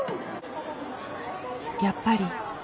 やっぱり。